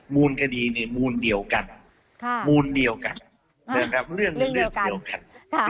มูลคดีมูลเดียวกันเรื่องมูลเดียวกัน